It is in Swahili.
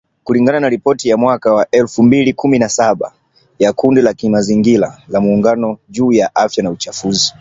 Kulingana na ripoti ya mwaka wa elfu mbili kumi na saba ya kundi la kimazingira la Muungano juu ya Afya na Uchafuzi.